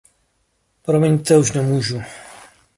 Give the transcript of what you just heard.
Promiňte, už nemůžu.